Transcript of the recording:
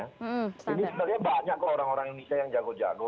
ini sebenarnya banyak kok orang orang indonesia yang jago jago